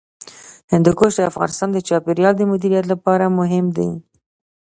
هندوکش د افغانستان د چاپیریال د مدیریت لپاره مهم دي.